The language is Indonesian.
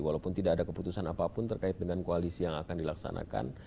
walaupun tidak ada keputusan apapun terkait dengan koalisi yang akan dilaksanakan